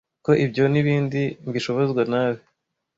Ko ibyo n’ibindi mbishobozwa nawe